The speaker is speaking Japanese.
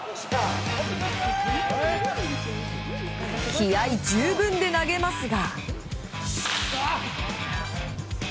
気合十分で投げますが。